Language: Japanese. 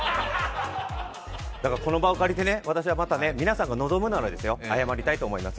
この場を借りて皆さんが臨むなら謝りたいと思います。